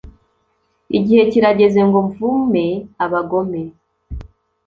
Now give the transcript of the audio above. igihe kirageze ngo mvume abagome